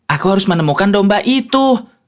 aku harus menemukan domba itu